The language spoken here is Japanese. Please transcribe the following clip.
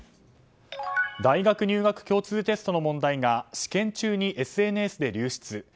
大学入学共通テストの問題が試験中にＳＮＳで流出。